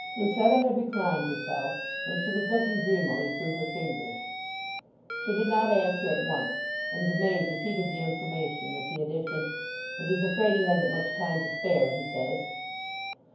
Lucetta had reclined herself, and she was looking dreamily through her fingers. She did not answer at once, and the maid repeated the information with the addition, "And he's afraid he hasn't much time to spare, he says."